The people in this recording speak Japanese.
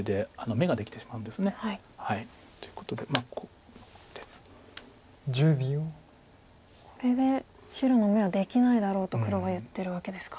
これで白の眼はできないだろうと黒は言ってるわけですか。